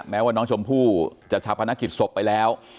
แม้ว่าน้องชมพู่จะชาวพนักกิจศพไปแล้ว